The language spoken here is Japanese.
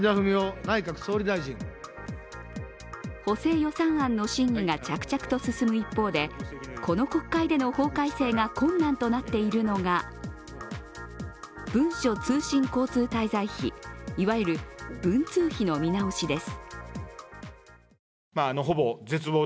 補正予算案の審議が着々と進む一方でこの国会での法改正が困難となっているのが文書通信交通滞在費、いわゆる文通費の見直しです。